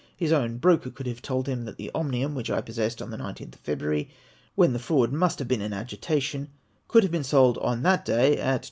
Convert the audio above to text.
His own broker could have told him that the Omnium which I possessed on the 19tli of February, when the fraud must have been in agitation, could have been sold on that day at 27|